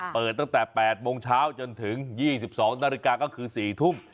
เปิดตั้งแต่๘โมงเช้าจนถึง๒๒นาฬิกาก็คือ๔ทุ่ม